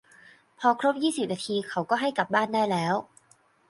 พอครบยี่สิบนาทีเขาก็ให้กลับบ้านได้แล้ว